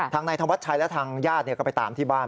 ทางนายธวัชชัยและทางญาติก็ไปตามที่บ้าน